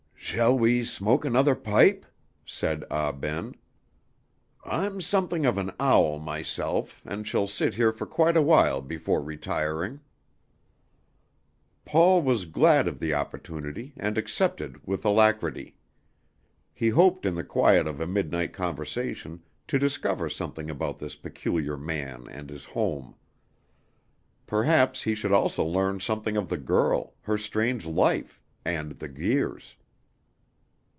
"Shall we smoke another pipe?" said Ah Ben. "I'm something of an owl myself, and shall sit here for quite a while before retiring." Paul was glad of the opportunity, and accepted with alacrity. He hoped in the quiet of a midnight conversation to discover something about this peculiar man and his home. Perhaps he should also learn something of the girl, her strange life, and the Guirs.